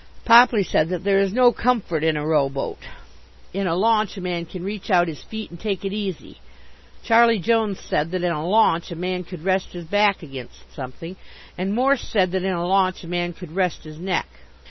Popley said that there is no comfort in a row boat. In a launch a man can reach out his feet and take it easy. Charlie Jones said that in a launch a man could rest his back against something, and Morse said that in a launch a man could rest his neck.